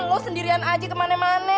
lu sendirian aja kemane mane